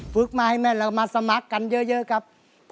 ฟึกมายแม่มาสมัครกันเยอะครับ